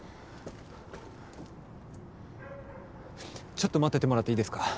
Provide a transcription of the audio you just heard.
ちょっと待っててもらっていいですか？